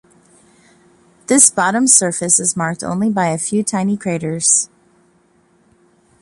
This bottom surface is marked only by a few tiny craters.